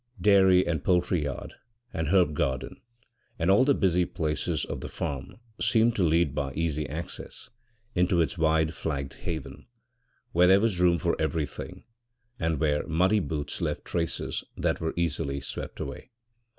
Dairy and poultry yard, and herb garden, and all the busy places of the farm seemed to lead by easy access into its wide flagged haven, where there was room for everything and where muddy boots left traces that were easily swept away.